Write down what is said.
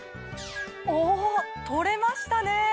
お取れましたね！